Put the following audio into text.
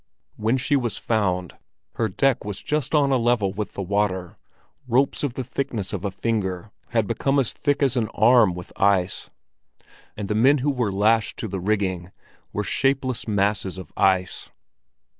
When she was found, her deck was just on a level with the water, ropes of the thickness of a finger had become as thick as an arm with ice, and the men who were lashed to the rigging were shapeless masses of ice.